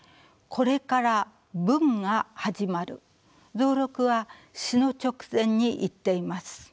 蔵六は死の直前に言っています。